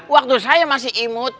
waktu saya masih imut